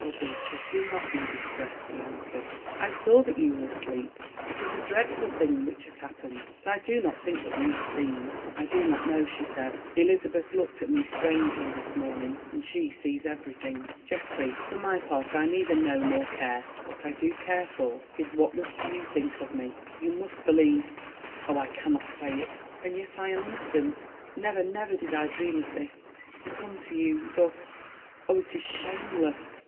"Oh, Beatrice, do not be distressed," he answered. "I saw that you were asleep. It is a dreadful thing which has happened, but I do not think that we were seen." "I do not know," she said. "Elizabeth looked at me very strangely this morning, and she sees everything. Geoffrey, for my part, I neither know nor care. What I do care for is, what must you think of me? You must believe, oh!—I cannot say it. And yet I am innocent. Never, never did I dream of this. To come to you—thus—oh, it is shameless!"